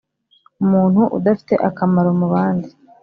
umuntu udafite akamaro mubandi